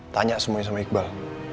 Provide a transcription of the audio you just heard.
tanya semuanya sama iqbal